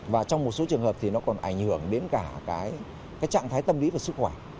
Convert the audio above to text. và trong một số trường hợp thì nó còn ảnh hưởng đến cả cái trạng thái tâm lý và sức khỏe